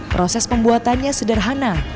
proses pembuatannya sederhana